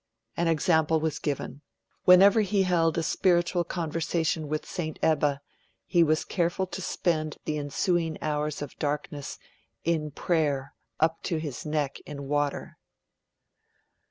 An example was given, whenever he held a spiritual conversation with St Ebba, he was careful to spend the ensuing ours of darkness 'in prayer, up to his neck in water'.